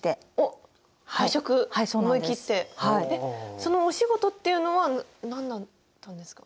そのお仕事っていうのは何だったんですか？